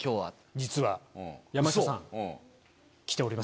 実は山下さん。